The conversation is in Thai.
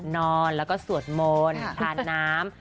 นอนแล้วก็สวดมนต์ทานน้ำ